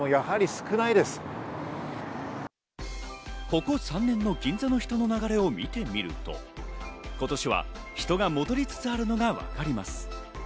ここ３年の銀座の人の流れを見てみると、今年は人が戻りつつあるのがわかります。